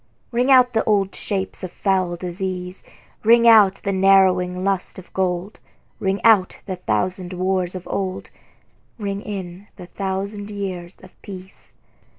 Ring out old shapes of foul disease, Ring out the narrowing lust of gold; Ring out the thousand wars of old, Ring in the thousand years of peace.